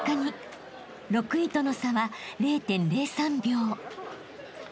［６位との差は０．０３秒］